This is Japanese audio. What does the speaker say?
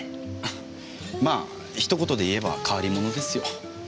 まあ一言でいえば変わり者ですよ。